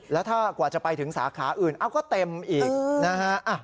แล้วถ้ากว่าจะไปถึงสาขาอื่นเอ้าก็เต็มอีกนะฮะ